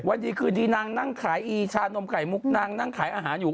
วันดีคืนดีนางนั่งขายอีชานมไข่มุกนางนั่งขายอาหารอยู่